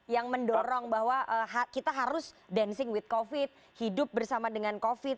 yang mendorong bahwa kita harus dancing with covid hidup bersama dengan covid